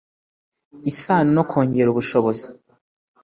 isano no kongera ubushobozi